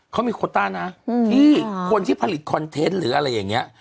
เขามีโคต้านะที่คนที่ผลิตคอนเทนต์หรืออะไรอย่างนี้